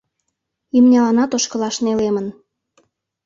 Имньыланат ошкылаш нелемын.